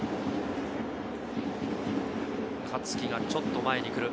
香月がちょっと前に来る。